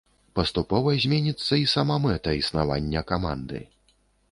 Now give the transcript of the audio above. Паступова зменіцца і сама мэта існавання каманды.